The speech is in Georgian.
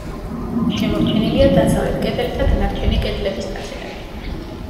შემორჩენილია დასავლეთ კედელი და დანარჩენი კედლების ნაწილები.